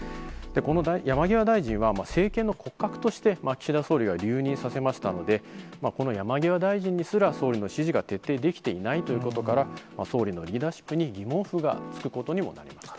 この山際大臣は政権の骨格として、岸田総理が留任させましたので、この山際大臣にすら総理の指示が徹底できていないということから、総理のリーダーシップに疑問符が付くことにもなりました。